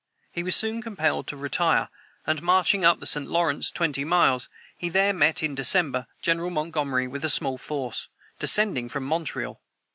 He was soon compelled to retire, and, marching up the St. Lawrence twenty miles, he there met, in December, General Montgomery, with a small force, descending from Montreal.